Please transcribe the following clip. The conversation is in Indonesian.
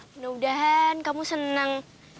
mudah mudahan kamu seneng